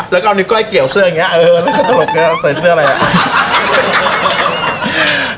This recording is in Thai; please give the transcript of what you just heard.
แล้วก็เอานิกก้อยเกี่ยวเสื้ออย่างเงี้ยเออนี่ก็ตลกเนี่ยเสยเซื้ออะไรเนี่ย